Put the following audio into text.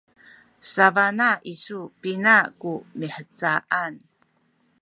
sabana isu pina ku mihcaan?